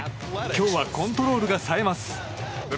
今日はコントロールがさえます。